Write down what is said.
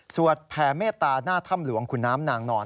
แผ่เมตตาหน้าถ้ำหลวงขุนน้ำนางนอน